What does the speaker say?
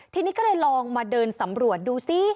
ทีนี้ก็เลยลองมาเดินสำรวจดูซิ